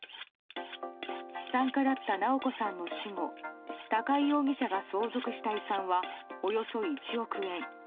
資産家だった直子さんの死後高井容疑者が相続した遺産はおよそ１億円。